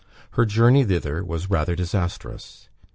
Her journey thither was rather disastrous.